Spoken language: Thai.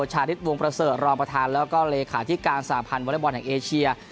ชาติฤทธิ์วงศ์ประเศรษฐ์รองประธานและเลขาที่การสาพันธ์วอลลี่บอลแหลกเอเชีย